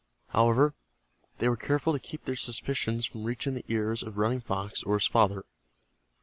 However, they were careful to keep their suspicions from reaching the ears of Running Fox or his father.